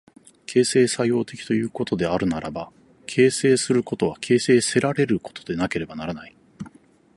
形成作用的ということであるならば、形成することは形成せられることでなければならない。